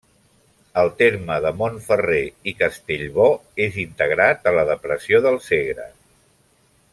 El terme de Montferrer i Castellbò és integrat a la depressió del Segre.